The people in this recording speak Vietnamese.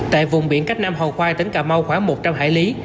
tại vùng biển cách nam hu khoai tỉnh cà mau khoảng một trăm linh hải lý